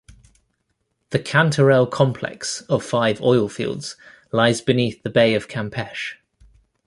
The Cantarell Complex of five oil fields lies beneath the Bay of Campeche.